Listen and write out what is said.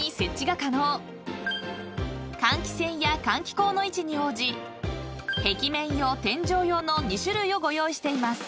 ［換気扇や換気口の位置に応じ壁面用天井用の２種類をご用意しています］